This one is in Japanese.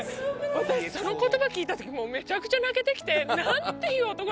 私その言葉聞いた時もうめちゃくちゃ泣けてきてなんていい男。